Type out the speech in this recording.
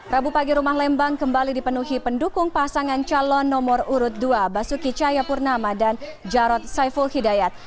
rabu pagi rumah lembang kembali dipenuhi pendukung pasangan calon nomor urut dua basuki cayapurnama dan jarod saiful hidayat